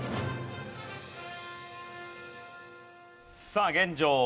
さあ現状